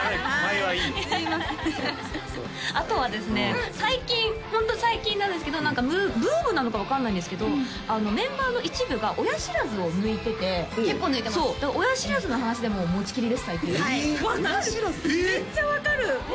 あとはですね最近ホント最近なんですけど何かブームなのか分かんないんですけどメンバーの一部が親知らずを抜いててだから親知らずの話でもう持ちきりです最近は分かるめっちゃ分かるえ！？